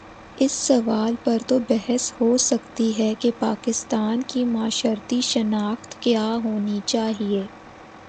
اس سوال پر تو بحث ہو سکتی ہے کہ پاکستان کی معاشرتی شناخت کیا ہو نی چاہیے۔